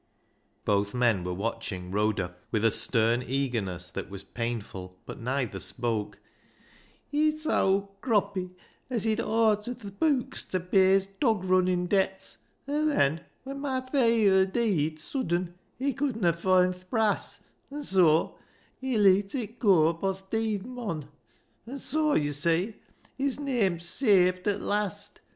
" Both men were watching Rhoda with a stern eagerness that was painful, but neither spoke. " He towd Croppy as lied awtered th' beuks ta pay his dog runnin' debts, an' then when my fayther deead suddin he couldna foind th' brass, an' soa he leet it goa upo' th' deead mon. An' soa, yo' see, his name's saved at last.